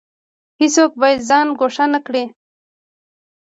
هیڅوک باید ځان ګوښه نکړي